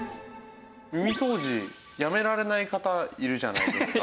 耳掃除やめられない方いるじゃないですか。